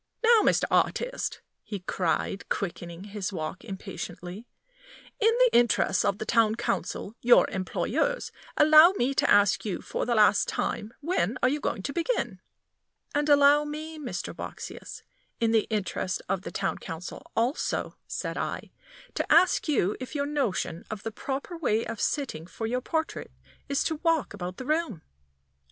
"Now, Mr. Artist," he cried, quickening his walk impatiently, "in the interests of the Town Council, your employers, allow me to ask you for the last time when you are going to begin?" "And allow me, Mr. Boxsious, in the interest of the Town Council also," said I, "to ask you if your notion of the proper way of sitting for your portrait is to walk about the room!"